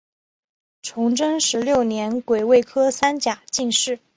崇祯十六年癸未科三甲进士。